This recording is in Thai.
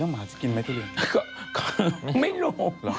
ไม่รู้